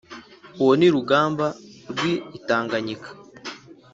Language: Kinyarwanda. Uwo ni Rugamba rw’ i Tanganyika”!